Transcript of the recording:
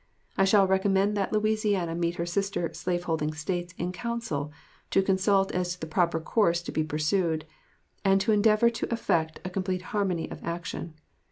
I shall recommend that Louisiana meet her sister slaveholding States in council to consult as to the proper course to be pursued, and to endeavor to effect a complete harmony of action.